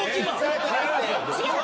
⁉違う！